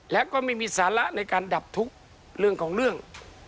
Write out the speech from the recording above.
และก็ไม่มีสาระในการดับทุกข์เรื่องของเรื่อง